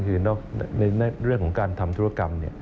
คือในเรื่องของการทำธุรกรรม